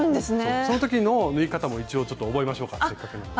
その時の縫い方も一応ちょっと覚えましょうかせっかくなんで。